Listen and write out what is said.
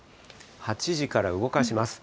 ８時から動かします。